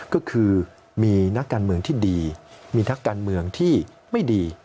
ก็คือมีนักการเมืองที่ดีมีนักการเมืองที่ไม่ดี